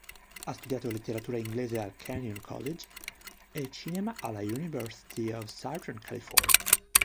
Ha studiato letteratura inglese al Kenyon College, e cinema alla University of Southern California.